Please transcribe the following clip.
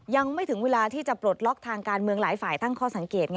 ยังไม่ถึงเวลาที่จะปลดล็อกทางการเมืองหลายฝ่ายตั้งข้อสังเกตไง